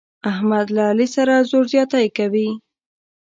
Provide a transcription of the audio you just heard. احمد له علي سره زور زیاتی کوي.